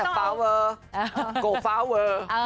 ะนะสือ